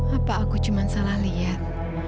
apa aku cuma salah lihat